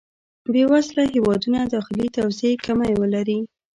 بې وزله هېوادونه داخلي توزېع کمی ولري.